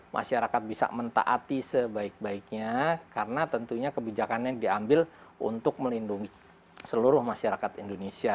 masyarakat bisa mentaati sebaik baiknya karena tentunya kebijakannya diambil untuk melindungi seluruh masyarakat indonesia